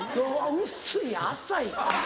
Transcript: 薄い浅い。